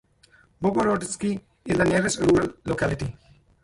Bogorodskoye is the nearest rural locality.